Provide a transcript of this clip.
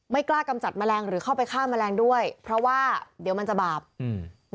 กล้ากำจัดแมลงหรือเข้าไปฆ่าแมลงด้วยเพราะว่าเดี๋ยวมันจะบาปอืม